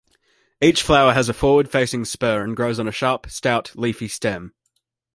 Each flower has a forward-facing spur and grows on a sharp, stout, leafy stem.